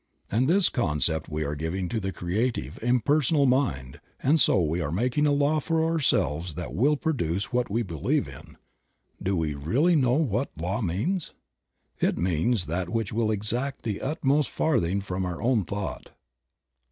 And this concept we are giving to the creative, impersonal Mind, and so we are making a law for ourselves that will produce what we believe in. Do we really know what law means ? It means that which will exact the utmost farthing from our thought.